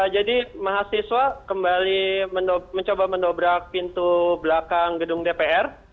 jadi mahasiswa kembali mencoba mendobrak pintu belakang gedung dpr